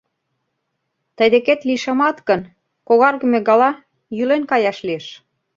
Тый декет лишемат гын, когаргыме гала, йӱлен каяш лиеш.